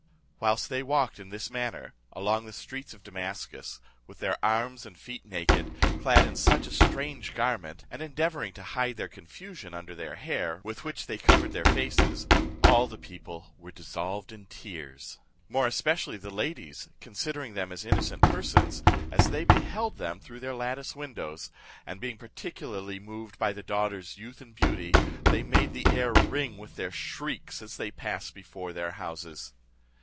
Whilst they walked in this manner along the streets of Damascus, with their arms and feet naked, clad in such a strange garment, and endeavouring to hide their confusion under their hair, with which they covered their faces, all the people were dissolved in tears; more especially the ladies, considering them as innocent persons, as they beheld them through their lattice windows, and being particularly moved by the daughter's youth and beauty, they made the air ring with their shrieks, as they passed before their houses.